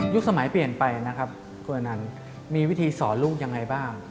สมัยเปลี่ยนไปนะครับคุณอนันต์มีวิธีสอนลูกยังไงบ้าง